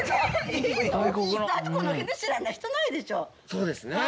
そうですね。